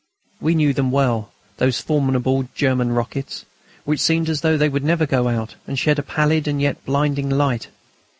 We knew them well, those formidable German rockets, which seemed as though they would never go out and shed a pallid and yet blinding light.